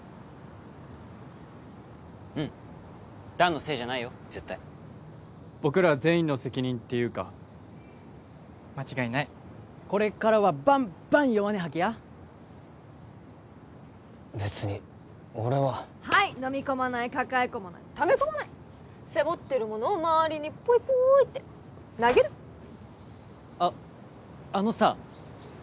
うん弾のせいじゃないよ絶対僕ら全員の責任っていうか間違いないこれからはバンバン弱音吐きや別に俺ははいのみ込まない抱え込まないため込まない背負ってるものを周りにポイポイって投げるあっあのさ